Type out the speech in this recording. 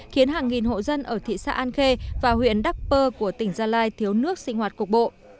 khiến hàng nghìn hộ dân ở thị xã an khê và huyện đắc pơ của tỉnh gia lai thiếu nước sinh hoạt cục bộ